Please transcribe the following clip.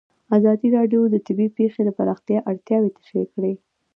ازادي راډیو د طبیعي پېښې د پراختیا اړتیاوې تشریح کړي.